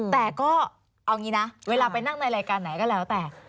แต่ก็เอางี้นะเวลาไปนั่งในรายการไหนก็แล้วแต่